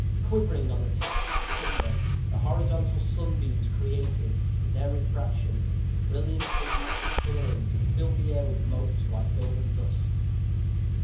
Quivering on the tops of the timber, the horizontal sunbeams created, in their refraction, brilliant prismatic colorings, and filled the air with motes like golden dust.